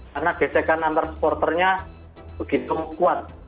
karena gesekan antar supporternya begitu kuat